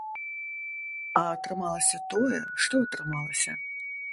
А атрымалася тое, што атрымалася.